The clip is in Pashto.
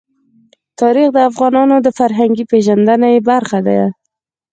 تاریخ د افغانانو د فرهنګي پیژندنې برخه ده.